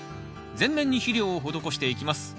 全面に肥料を施していきます。